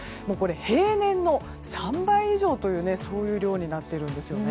平年の３倍以上というそういう量になっているんですね。